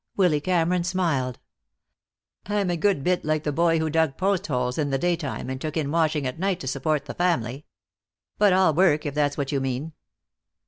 Willy Cameron smiled. "I'm a good bit like the boy who dug post holes in the daytime and took in washing at night to support the family. But I'll work, if that's what you mean."